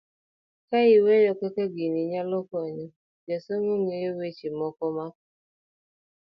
ka iweyo kaka gini nyalo konyo jasomo ng'eyo weche moko ma